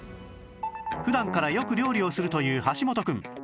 普段からよく料理をするという橋本くん